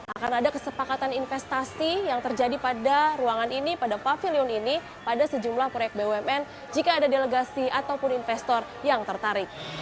akan ada kesepakatan investasi yang terjadi pada ruangan ini pada pavilion ini pada sejumlah proyek bumn jika ada delegasi ataupun investor yang tertarik